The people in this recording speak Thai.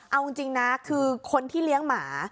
เอาจริงนะคือคนที่เลี้ยงหมา